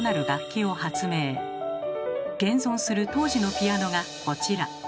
現存する当時のピアノがこちら。